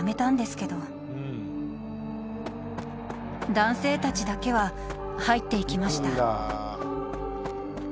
「男性たちだけは入っていきました」